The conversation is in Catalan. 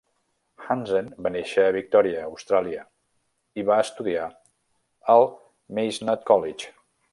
Hanzen va néixer a Victòria, Austràlia, i va estudiar al Mazenod College.